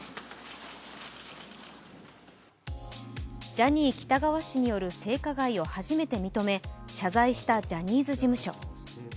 ジャニー喜多川氏による性加害を初めて認め、謝罪したジャニーズ事務所。